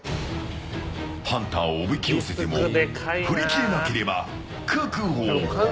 ハンターをおびき寄せても振りきれなければ確保。